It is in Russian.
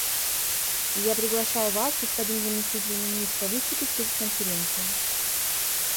Я приглашаю Вас, господин заместитель Министра, выступить перед Конференцией.